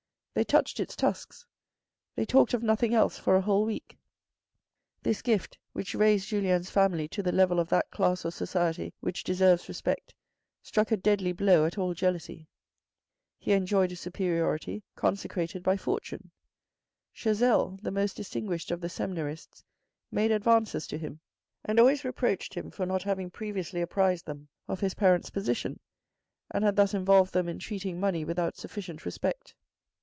They touched its tusks. They talked of nothing else for a whole week. This gift, which raised Julien's family to the level of that class of society which deserves respect, struck a deadly blow at all jealousy. He enjoyed a superiority, consecrated by fortune. Chazel, the most distinguished of the seminarists, made advances to him, and always reproached him for not having previously apprised them of his parents' position and had thus involved them in treating money without sufficient respect.